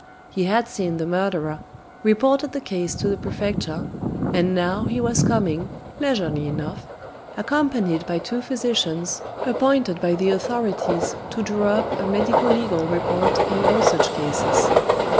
He had seen the murderer, reported the case to the prefecture, and now he was coming leisurely enough accompanied by two physicians, appointed by the authorities to draw up a medico legal report in all such cases.